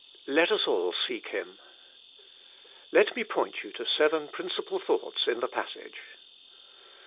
Let us all seek Him. Let me point you to seven principal thoughts in the passage.